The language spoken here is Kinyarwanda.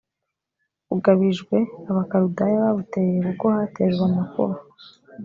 ugabijwe abakaludaya bawuteye kuko hatejwe amakuba